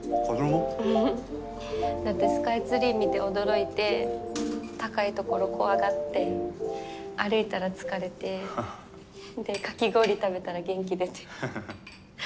だってスカイツリー見て驚いて高いところ怖がって歩いたら疲れてかき氷食べたら元気出て。